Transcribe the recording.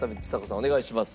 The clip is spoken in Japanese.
お願いします。